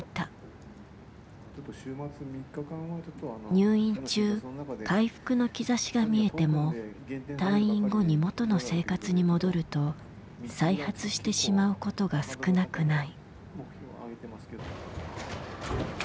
入院中回復の兆しが見えても退院後にもとの生活に戻ると再発してしまうことが少なくない。